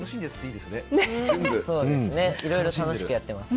いろいろ楽しくやってます。